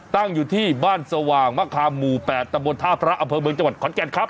ตั้งอยู่ที่บ้านสว่างมะคามหมู่๘ตะบนท่าพระอำเภอเมืองจังหวัดขอนแก่นครับ